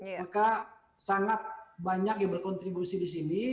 maka sangat banyak yang berkontribusi di sini